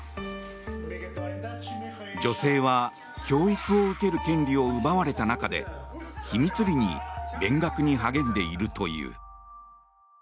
女性は教育を受ける権利を奪われた中で秘密裏に勉学に励んでいるという。